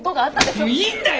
もういいんだよ